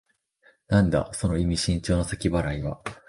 なんだ、その意味深長なせき払いは。